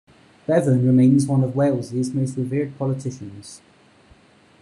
Bevan remains one of Wales' most revered politicians.